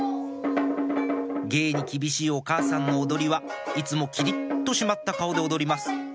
芸に厳しいお母さんの踊りはいつもきりっと締まった顔で踊ります